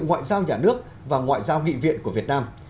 ngoại giao nhà nước và ngoại giao nghị viện của việt nam